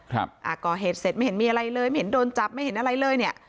อ่าก่อเหตุเสร็จไม่เห็นมีอะไรเลยไม่เห็นโดนจับไม่เห็นอะไรเลยเนี้ย